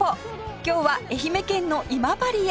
今日は愛媛県の今治へ